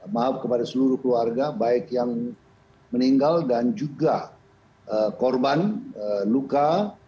maaf kepada seluruh keluarga baik yang meninggal dan juga korban luka